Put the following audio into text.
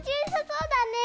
そうだね。